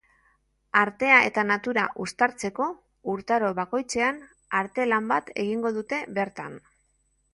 Artea eta natura uztartzeko, urtaro bakoitzean artelan bat egingo dute bertan.